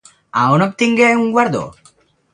A on obtingué un guardó?